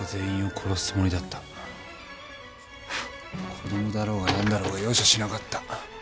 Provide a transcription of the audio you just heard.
子供だろうが何だろうが容赦しなかった。